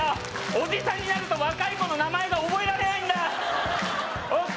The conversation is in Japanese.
おじさんになると若い子の名前が覚えられないんだＯＫ